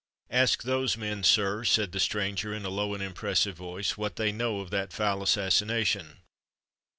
"Ask those men, sir," said the stranger, in a low and impressive voice, "what they know of that foul assassination."